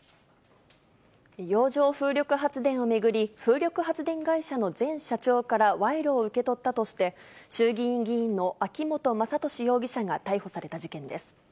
洋上風力発電を巡り、風力発電会社の前社長から賄賂を受け取ったとして、衆議院議員の秋本真利容疑者が逮捕された事件です。